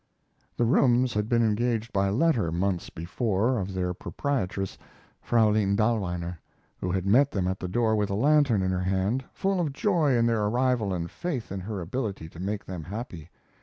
The rooms had been engaged by letter, months before, of their proprietress, Fraulein Dahlweiner, who had met them at the door with a lantern in her hand, full of joy in their arrival and faith in her ability to make them happy.